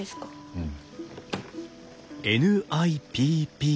うん。